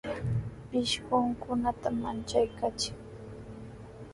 Pishqukunata manchakaachiy.